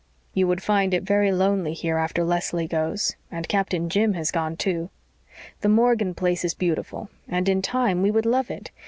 "You would find it very lonely here after Leslie goes and Captain Jim has gone too. The Morgan place is beautiful, and in time we would love it.